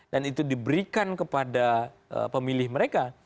dan itu diberikan kepada pemilih mereka